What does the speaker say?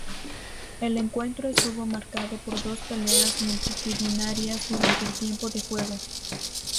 El encuentro estuvo marcado por dos peleas multitudinarias durante el tiempo de juego.